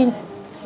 em mua và mua